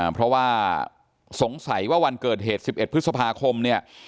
เพราะว่าสงสัยว่าวันเกิดเหตุ๑๑พฤษภาคมเนี่ย